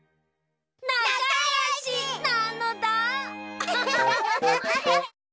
なかよし！なのだ。